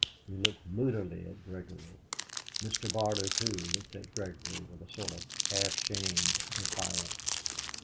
He looked moodily at Gregory. Mr. Barter, too, looked at Gregory with a sort of half ashamed defiance.